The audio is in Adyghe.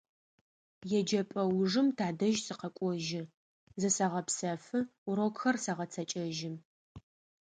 ЕджэпӀэ ужым тадэжь сыкъэкӀожьы, зысэгъэпсэфы, урокхэр сэгъэцэкӀэжьы.